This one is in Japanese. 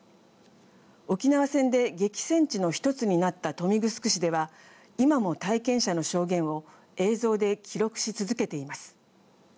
沖縄戦で激戦地の１つになった豊見城市では今も体験者の証言を映像で記録し続けています。